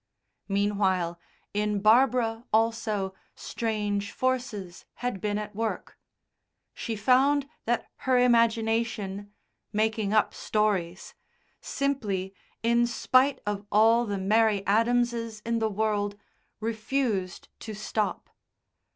Meanwhile, in Barbara also strange forces had been at work. She found that her imagination (making up stories) simply, in spite of all the Mary Adamses in the world, refused to stop.